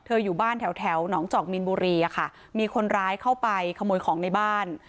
อยู่บ้านแถวแถวหนองจอกมีนบุรีอะค่ะมีคนร้ายเข้าไปขโมยของในบ้าน